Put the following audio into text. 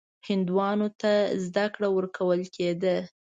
هندوانو ته زده کړه ورکول کېده.